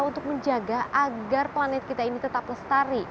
untuk menjaga agar planet kita ini tetap lestari